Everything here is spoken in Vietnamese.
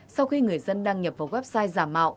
sau khi người dân đăng nhập vào website giả mạo